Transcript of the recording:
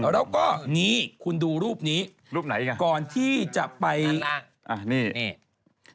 แล้วก็นี่คุณดูรูปนี้ก่อนที่จะไปรูปไหนอีกครับ